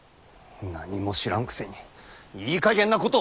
何も知らんくせにいいかげんなことを！